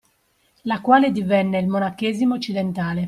La quale divenne il monachesimo occidentale.